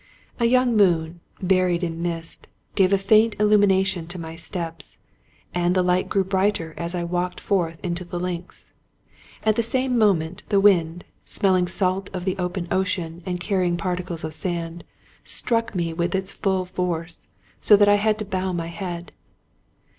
A young moon, buried in mist, gave a faint illumination to my steps; and the light grew brighter as I walked forth into the links. At the same moment, the wind, smelling salt of the open ocean and carrying particles of sand, struck me with its full force, so that I had to bow my head.